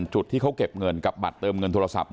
จุดที่เขาเก็บเงินกับบัตรเติมเงินโทรศัพท์